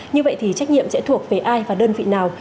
như vậy thì trách nhiệm sẽ thuộc về ai và đơn vị nào